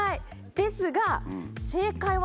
ですが正解は。